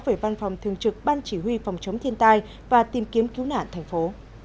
về văn phòng thường trực ban chỉ huy phòng chống thiên tai và tìm kiếm cứu nạn thành phố